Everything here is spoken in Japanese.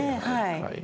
はい。